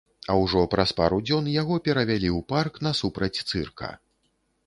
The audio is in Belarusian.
А ўжо праз пару дзён яго перавялі ў парк насупраць цырка.